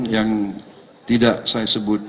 yang tidak saya sebut